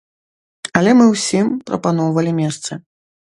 Але мы ўсім прапаноўвалі месцы.